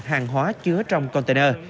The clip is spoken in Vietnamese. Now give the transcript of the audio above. hàng hóa chứa trong container